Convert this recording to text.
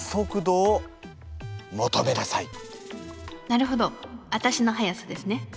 なるほどアタシの速さですね。